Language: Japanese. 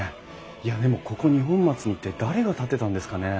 いやでもここ二本松に一体誰が建てたんですかね？